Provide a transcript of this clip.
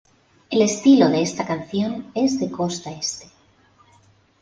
El estilo de esta canción es de costa este.